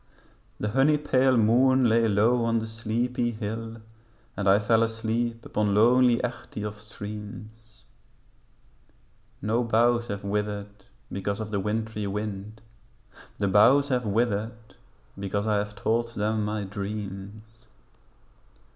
The honey pale moon lay low on the sleepy hill And I fell asleep upon lonely Echtge of streams; No boughs have withered because of the wintry wind, The boughs have withered because I have told them my dreams.